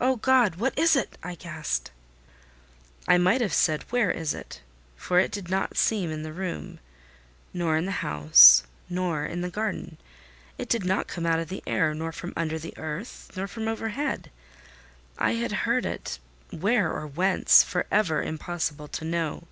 "O God! what is it?" I gasped. I might have said, "Where is it?" for it did not seem in the room—nor in the house—nor in the garden; it did not come out of the air—nor from under the earth—nor from overhead. I had heard it—where, or whence, for ever impossible to know!